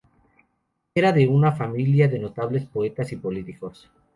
Era de una familia de notables poetas y políticos.